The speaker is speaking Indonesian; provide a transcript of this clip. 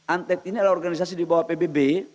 antek ini adalah organisasi di bawah pbb